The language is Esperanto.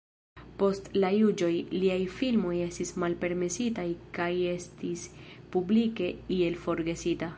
Post la juĝoj, liaj filmoj estis malpermesitaj kaj estis publike iel forgesita.